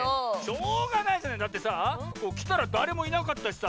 しょうがないじゃないだってさきたらだれもいなかったしさ